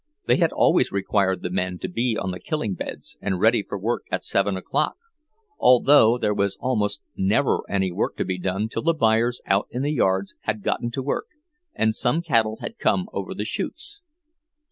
They had always required the men to be on the killing beds and ready for work at seven o'clock, although there was almost never any work to be done till the buyers out in the yards had gotten to work, and some cattle had come over the chutes.